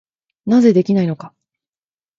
なぜできないのか。